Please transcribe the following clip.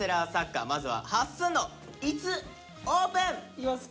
いきます。